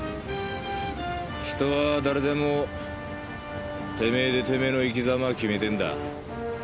人は誰でもてめえでてめえの生き様を決めてんだ。